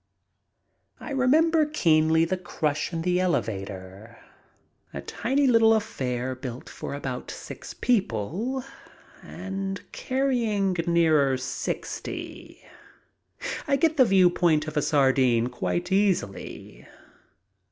I remember keenly the crush in the elevator, a tiny little 98 MY TRIP ABROAD affair built for about six people and carrying nearer sixty. I get the viewpoint of a sardine quite easily.